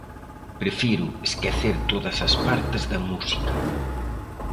Prefiro esquecer todas as partes da música.